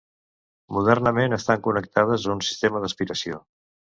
Modernament estan connectades a un sistema d'aspiració.